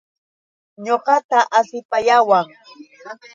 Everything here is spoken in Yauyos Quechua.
Ñuqata asipayawan.